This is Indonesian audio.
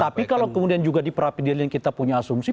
tapi kalau kemudian juga di pra peradilan kita punya asumsi